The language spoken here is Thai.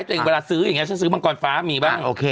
เวลาซื้ออย่างนี้ฉันซื้อมังกรฟ้ามีบ้างโอเค